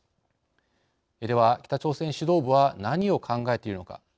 では北朝鮮指導部は何を考えているのか。